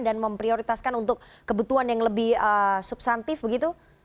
dan memprioritaskan untuk kebutuhan yang lebih subsantif begitu